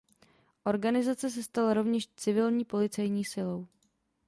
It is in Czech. Organizace se stala rovněž civilní policejní silou.